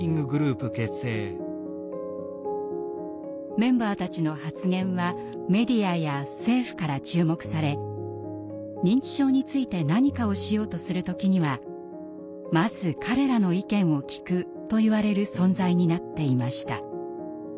メンバーたちの発言はメディアや政府から注目され認知症について何かをしようとする時にはまず彼らの意見を聴くといわれる存在になっていました。